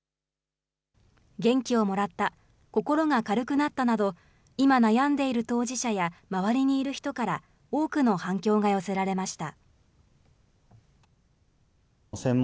元気をもらった、心が軽くなったなど、今悩んでいる当事者や周りにいる人から、多くの反響が寄せられました。